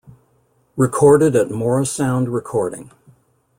Recorded at Morrisound Recording.